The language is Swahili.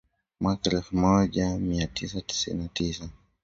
mwaka elfu moja mia tisa tisini na tisa